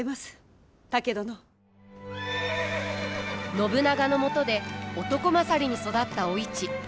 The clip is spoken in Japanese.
信長のもとで男勝りに育ったお市。